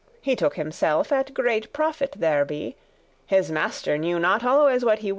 *informers He took himself at great profit thereby: His master knew not always what he wan.